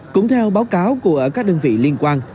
cũng theo báo cáo của các đơn vị liên quan